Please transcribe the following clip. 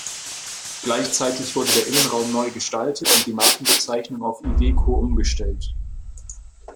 Gleichzeitig wurde der Innenraum neu gestaltet und die Markenbezeichnung auf Iveco umgestellt.